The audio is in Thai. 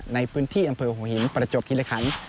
ในพื้นที่อำเภอหัวหินประจวบคิริคัน